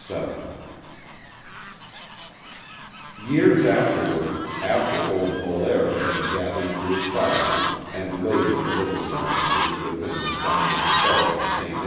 VII Years afterward, after old Molaire had been gathered to his fathers and laid in the little cemetery within the sound of the bells of Ste.